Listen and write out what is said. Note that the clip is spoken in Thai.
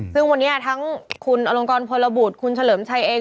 ซึ่งวันนี้ทั้งคุณอลงกรพลบุตรคุณเฉลิมชัยเอง